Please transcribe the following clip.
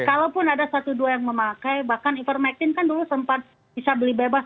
kalaupun ada satu dua yang memakai bahkan ivermectin kan dulu sempat bisa beli bebas